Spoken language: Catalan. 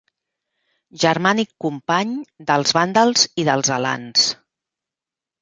Germànic company dels vàndals i dels alans.